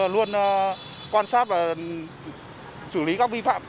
luôn quan sát và xử lý các vi phạm